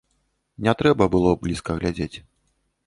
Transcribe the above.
Не трэба было блізка глядзець.